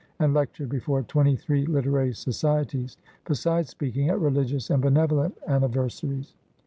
and lectured before twenty three literary societies, be sides speaking at religious and benevolent anniversa ries.